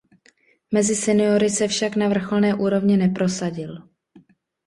Mezi seniory se však na vrcholné úrovni neprosadil.